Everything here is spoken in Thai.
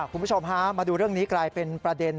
คุณผู้ชมฮะมาดูเรื่องนี้กลายเป็นประเด็น